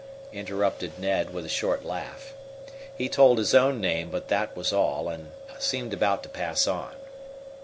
interrupted Ned, with a short laugh. He told his own name, but that was all, and seemed about to pass on.